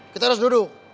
kita harus duduk